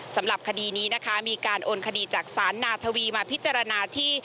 สำหรับคดีนี้นะคะมีการโอนคดีจากศาลนาทวีมาพิจารณาที่